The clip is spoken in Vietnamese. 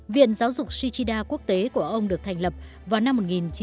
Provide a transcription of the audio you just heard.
viện giáo dục shichida quốc tế của ông được thành lập vào năm một nghìn chín trăm bảy mươi